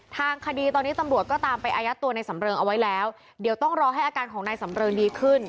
ทางคดีตอนนี้ตำรวจก็ตามไปอายัดตัวในสำเริงเอาไว้แล้วเดี๋ยวต้องรอให้อาการของนายสำเริงดีขึ้น